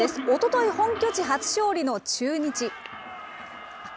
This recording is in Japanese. おととい本拠地初勝利の中日。